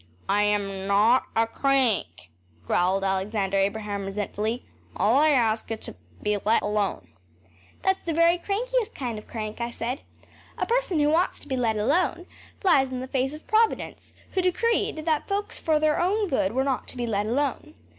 ‚ÄĚ “I am NOT a crank,‚ÄĚ growled Alexander Abraham resentfully. “All I ask is to be let alone.‚ÄĚ “That’s the very crankiest kind of crank,‚ÄĚ I said. “A person who wants to be let alone flies in the face of Providence, who decreed that folks for their own good were not to be let alone.